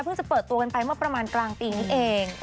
จะเปิดตัวกันไปเมื่อประมาณกลางปีนี้เอง